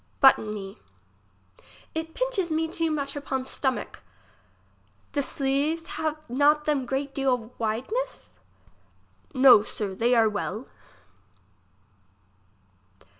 Button me. It pinches me too much upon stomack. The sleeves have not them great deal wideness ? No, sir, they are well.